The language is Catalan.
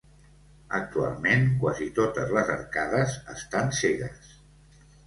Actualment quasi totes les arcades estan cegues.